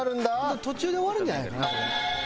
途中で終わるんじゃないかなこれ。